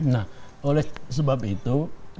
nah oleh sebab itu